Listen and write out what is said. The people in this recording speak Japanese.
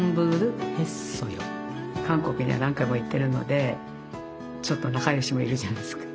韓国には何回も行ってるのでちょっと仲良しもいるじゃないですか。